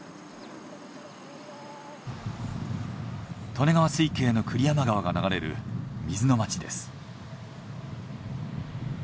利根川水系の栗山川が流れる水の町です。